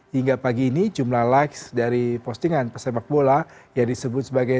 hingga pagi ini jumlah likes dari postingan pesepak bola yang disebut sebagai